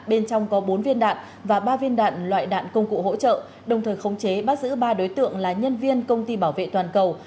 bên trong có bốn viên đạn và ba viên đạn loại đạn công cụ hỗ trợ đồng thời khống chế bắt giữ ba đối tượng là nhân viên công ty bảo vệ toàn cầu